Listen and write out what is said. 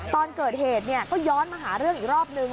ตอนเกิดเหตุก็ย้อนมาหาเรื่องอีกรอบนึง